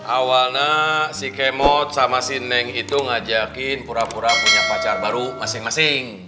awalnya si kemot sama si neng itu ngajakin pura pura punya pacar baru masing masing